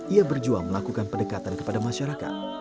ia berjuang melakukan pendekatan kepada masyarakat